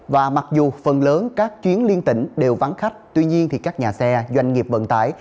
và mặc dù phần lớn các chuyến liên tỉnh đều vắng khách tuy nhiên các nhà xe doanh nghiệp vận tải